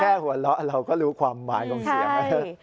หัวเราะเราก็รู้ความหมายของเสียง